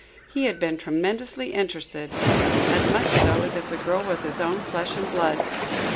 He had been tremendously interested, as much so as if the girl was his own flesh and blood.